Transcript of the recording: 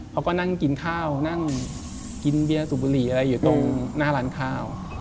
เขาก็นั่งกินข้าวนั่งกินเบียร์สูบบุหรี่อะไรอยู่ตรงหน้าร้านข้าว